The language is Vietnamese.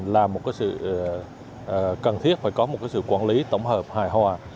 là một cái sự cần thiết phải có một sự quản lý tổng hợp hài hòa